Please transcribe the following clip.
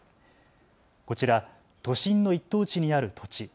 こちら都心の１等地にある土地。